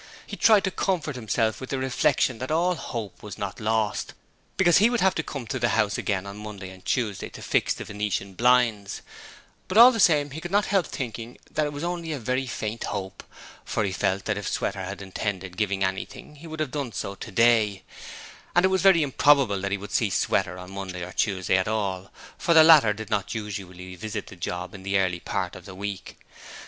He tried to comfort himself with the reflection that all hope was not lost, because he would have to come to the house again on Monday and Tuesday to fix the venetian blinds; but all the same he could not help thinking that it was only a very faint hope, for he felt that if Sweater had intended giving anything he would have done so today; and it was very improbable that he would see Sweater on Monday or Tuesday at all, for the latter did not usually visit the job in the early part of the week.